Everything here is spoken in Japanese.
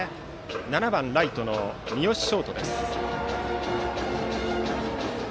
７番ライト、三好翔斗です。